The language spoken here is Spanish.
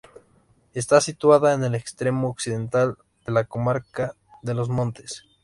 Está situada en el extremo occidental de la comarca de Los Montes.